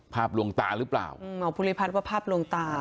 ลวงตาหรือเปล่าหมอภูริพัฒน์ว่าภาพลวงตา